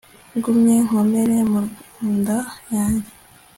ngumye nkomere mu nda yanjye